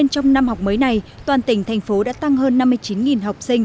trong năm học mới này toàn tỉnh thành phố đã tăng hơn năm mươi chín học sinh